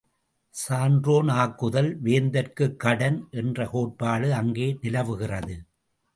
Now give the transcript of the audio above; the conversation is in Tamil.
சான்றோன் ஆக்குதல் வேந்தற்குக் கடன் என்ற கோட்பாடு அங்கே நிலவுகிறது.